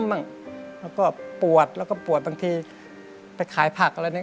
แล้วก็ปวดแล้วก็ปวดบางทีไปขายผักอะไรเนี่ย